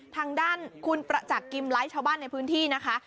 ทางด้านคุณประจักษ์กิมไลท์ชาวบ้านในพื้นที่นะคะ